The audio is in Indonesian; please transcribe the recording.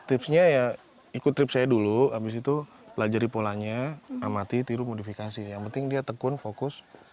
tipsnya ya ikut trip saya dulu abis itu pelajari polanya amati tiru modifikasi yang penting dia tekun fokus